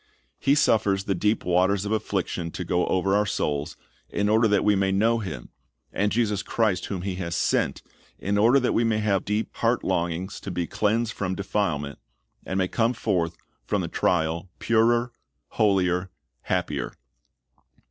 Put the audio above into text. He suffers the deep waters of affliction to go over our souls, in order that we may know Him, and Jesus Christ whom He has sent, in order that we may have deep heart longings to be cleansed from defilement, and may come forth from the trial 'purer, holier, happier.